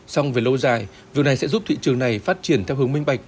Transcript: xong về lâu dài việc này sẽ giúp thị trường này phát triển theo hướng minh bạch